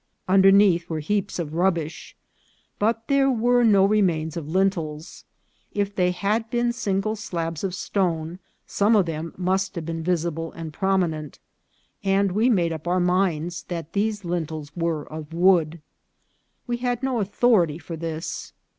Under neath were heaps of rubbish, but there were no remains of lintels. If they had been single slabs of stone, some of them must have been visible and prominent ; and we made up our minds that these lintels were of wood. We had no authority for this.